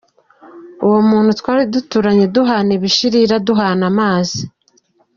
Uwo muntu twari duturanye, duhana ibishirira, duhana amazi.